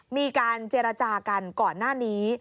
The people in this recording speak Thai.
มีการเจรจากันก่อนหน้านี้